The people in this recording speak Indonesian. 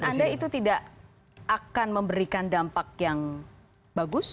jadi menurut anda itu tidak akan memberikan dampak yang bagus